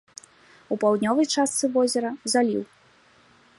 У паўднёвай частцы возера заліў.